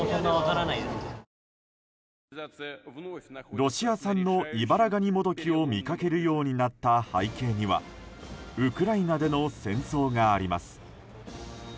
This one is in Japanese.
ロシア産のイバラガニモドキを見かけるようになった背景にはウクライナでの戦争があります。